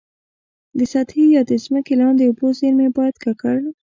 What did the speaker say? د سطحي یا د ځمکي لاندي اوبو زیرمي باید ککړ.